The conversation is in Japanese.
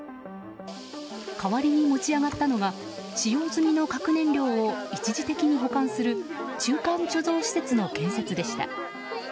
代わりに持ち上がったのが使用済みの核燃料を一時的に保管する中間貯蔵施設の建設でした。